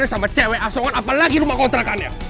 sama cewek asongan apalagi rumah kontrakannya